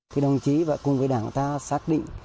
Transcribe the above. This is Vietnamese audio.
thì đồng chí và cùng với đảng ta xác định